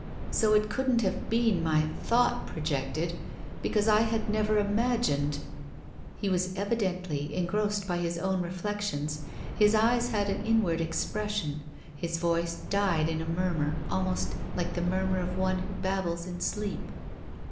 So it couldn't have been my thought projected, because I had never im agined —" He was evidently engrossed by his own reflec tions. His eyes had an inward expression. His voice died in a murmur, almost like the murmur of one who babbles in sleep.